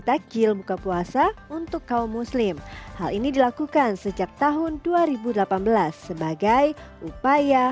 takjil buka puasa untuk kaum muslim hal ini dilakukan sejak tahun dua ribu delapan belas sebagai upaya